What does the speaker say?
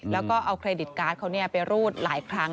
แล้วก็เอาเครดิตการ์ดเขาไปรูดหลายครั้ง